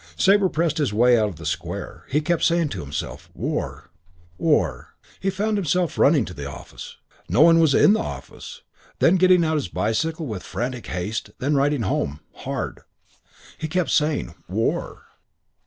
Sabre pressed his way out of the Square. He kept saying to himself, "War.... War...." He found himself running to the office; no one was in the office; then getting out his bicycle with frantic haste, then riding home, hard. And he kept saying, "War!"